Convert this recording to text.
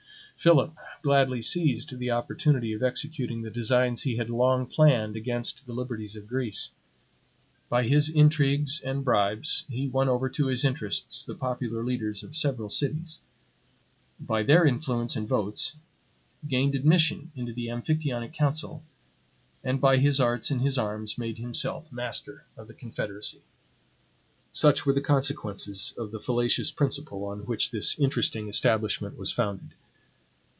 Philip gladly seized the opportunity of executing the designs he had long planned against the liberties of Greece. By his intrigues and bribes he won over to his interests the popular leaders of several cities; by their influence and votes, gained admission into the Amphictyonic council; and by his arts and his arms, made himself master of the confederacy. Such were the consequences of the fallacious principle on which this interesting establishment was founded.